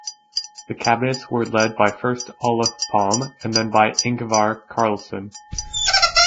The cabinets were led by first Olof Palme and then by Ingvar Carlsson.